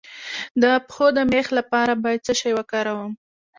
د پښو د میخ لپاره باید څه شی وکاروم؟